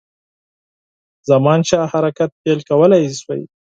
زمانشاه حرکت پیل کولای شوای.